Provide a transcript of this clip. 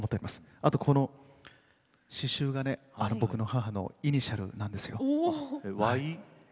あとこの刺しゅうがね僕の母のイニシャルなんですよ。